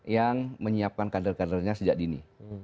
yang menyiapkan kader kadernya sejak dini